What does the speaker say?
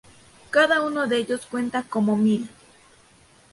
Cada uno de ellos cuenta como mil.